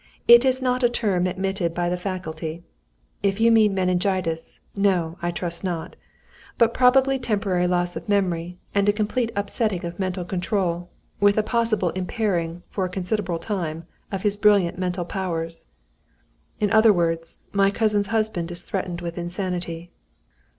"It is not a term admitted by the faculty. If you mean meningitis no, I trust not. But probably temporary loss of memory, and a complete upsetting of mental control; with a possible impairing, for a considerable time, of his brilliant mental powers." "In other words, my cousin's husband is threatened with insanity."